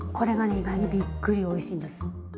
意外にびっくりおいしいんです。